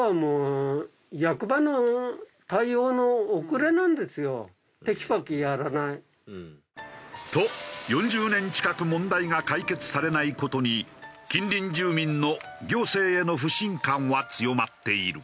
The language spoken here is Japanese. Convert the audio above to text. ちなみに行政が行うやっぱりと４０年近く問題が解決されない事に近隣住民の行政への不信感は強まっている。